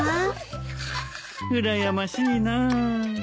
うらやましいなあ。